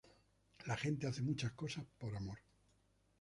La gente hace muchas cosas por amor.